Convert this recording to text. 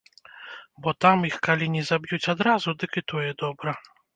Бо там іх калі не заб'юць адразу, дык і тое добра.